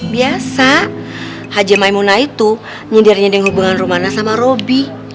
biasa haji maimunah itu nyedir nyedir hubungan romana sama robi